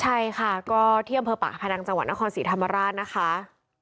ใช่ค่ะก็ที่อำเภอปากพนังจังหวัดนครศรีธรรมราชนะคะ